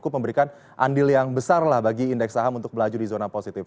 cukup memberikan andil yang besar lah bagi indeks saham untuk melaju di zona positif